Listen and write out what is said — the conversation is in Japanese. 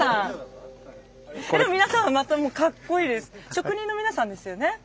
職人の皆さんですよね？